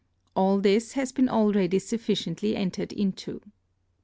All this has been already sufficiently entered into.